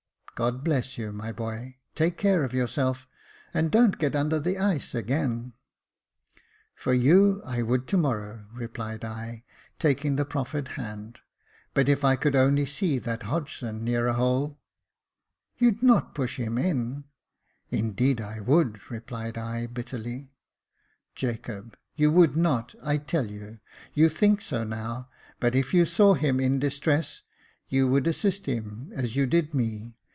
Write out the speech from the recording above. God bless you, my boy \ take care of yourself, and don't get under the ice again !"" For you I would to morrow," replied I, taking the proffered hand ;" but if I could only see that Hodgson near a hole "" You'd not push him in ,''"" Indeed I would," replied I, bitterly. " Jacob, you would not, I tell you — you think so now, but if you saw him in distress, you would assist him as you did me.